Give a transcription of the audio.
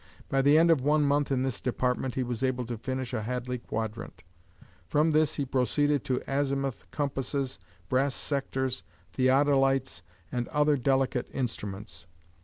By the end of one month in this department he was able to finish a Hadley quadrant. From this he proceeded to azimuth compasses, brass sectors, theodolites, and other delicate instruments.